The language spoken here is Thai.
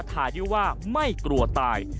และท้าทายดีว่าไม่กลัวตาย